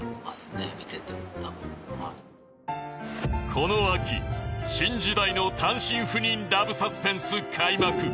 この秋新時代の単身赴任ラブサスペンス開幕